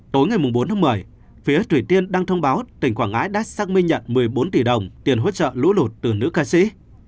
tối ngày bốn tháng một mươi phía thủy tiên đăng thông báo tỉnh quảng ngãi đã xác minh nhận một mươi bốn tỷ đồng tiền hỗ trợ lũ lụt từ nữ ca sĩ